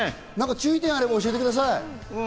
注意点があれば教えてください。